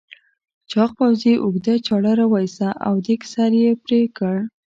چاغ پوځي اوږده چاړه راوایسته او دېگ سر یې پرې کړ.